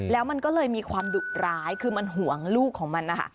แล้วมันก็เลยมีความดุร้ายคือมันห่วงลูกของมันนะคะ